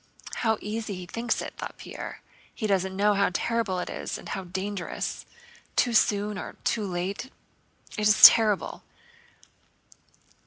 "How easy he thinks it," thought Pierre. "He doesn't know how terrible it is and how dangerous. Too soon or too late... it is terrible!"